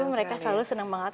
mereka selalu senang sekali